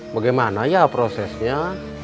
bagaimana ya prosesnya